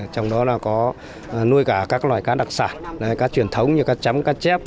trong đó có nuôi cả các loại cá đặc sản cá truyền thống như cá chấm cá chép